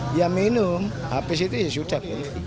dia minum habis itu ya sudah